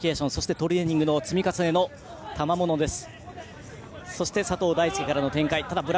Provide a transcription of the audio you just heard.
トレーニングの積み重ねのたまものです。